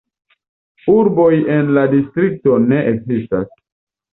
Urboj en la distrikto ne ekzistas.